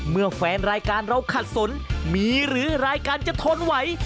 เมื่อแฟนรายการเราขัดสนมีหรือรายการจะทนไหว